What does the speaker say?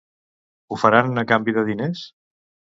Ho faran a canvi de diners?